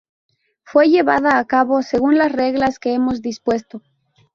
Fue llevada a cabo según las reglas que hemos dispuesto".